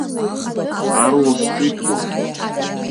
Карлос ҿиҭуам.